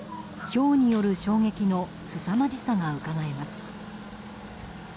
ひょうによる衝撃のすさまじさがうかがえます。